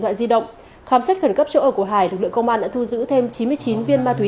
loại di động khám xét khẩn cấp chỗ ở của hải lực lượng công an đã thu giữ thêm chín mươi chín viên ma túy